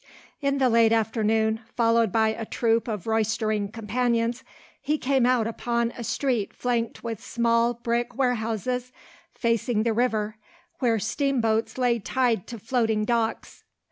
In the late afternoon, followed by a troop of roistering companions, he came out upon a street flanked with small, brick warehouses facing the river, where steamboats lay tied to floating docks.